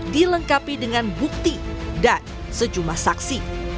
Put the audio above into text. dilengkapi dengan bukti dan sejumlah saksi